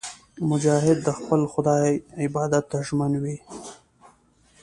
مجاهد د خپل خدای عبادت ته ژمن وي.